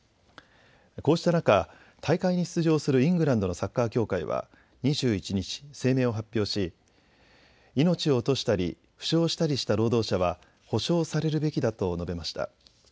こうした中、大会に出場するイングランドのサッカー協会は２１日、声明を発表し命を落としたり負傷したりした労働者は補償されるべきだと述べました。